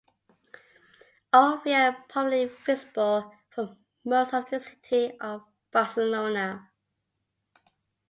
All three are prominently visible from most of the city of Barcelona.